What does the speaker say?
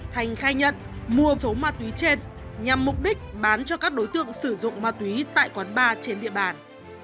thành khai nhận mua số ma túy trên nhằm mục đích bán cho các đối tượng sử dụng ma túy tại quán bar trên địa bàn